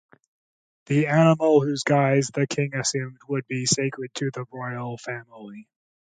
The animal whose guise the king assumed would be sacred to the royal family.